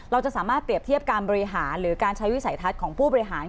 เราจะสามารถเปรียบเทียบการบริหารหรือการใช้วิสัยทัศน์ของผู้บริหาร